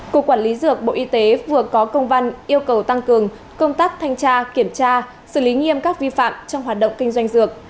cục quản lý dược bộ y tế vừa có công văn yêu cầu tăng cường công tác thanh tra kiểm tra xử lý nghiêm các vi phạm trong hoạt động kinh doanh dược